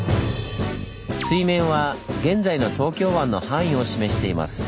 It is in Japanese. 水面は現在の東京湾の範囲を示しています。